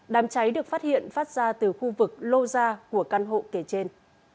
đám cháy được phát hiện phát ra từ khu vực lô ra của căn hộ kề trên